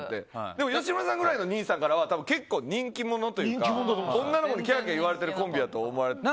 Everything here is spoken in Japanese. でも吉村さんくらいの兄さんからは結構人気者というか女の子にキャーキャー言われているみたいな。